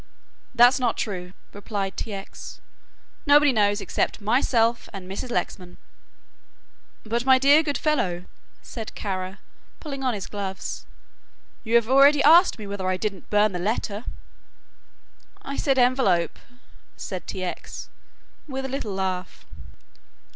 "That's not true," replied T. X.; "nobody knows except myself and Mrs. Lexman." "But my dear good fellow," said Kara, pulling on his gloves, "you have already asked me whether I didn't burn the letter." "I said envelope," said T. X., with a little laugh.